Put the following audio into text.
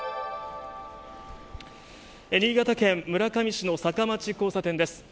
新潟県村上市の坂町交差点です。